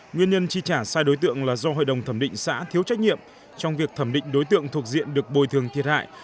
nguyên nhân chi trả sai đối tượng là do hội đồng thẩm định xã thiếu trách nhiệm trong việc thẩm định đối tượng thuộc diện được bồi thường thiệt hại